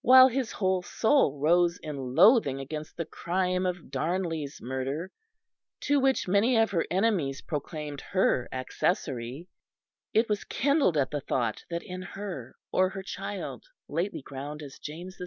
While his whole soul rose in loathing against the crime of Darnley's murder, to which many of her enemies proclaimed her accessory, it was kindled at the thought that in her or her child lately crowned as James VI.